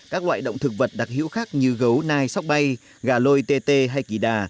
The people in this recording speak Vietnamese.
các loại động thực vật đặc hữu khác như gấu nai sóc bay gà lôi tê tê hay kỳ đà